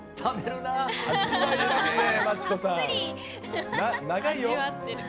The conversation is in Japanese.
長いよ。